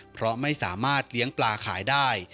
เพราะไม่สามารถเลี้ยงปลาขายได้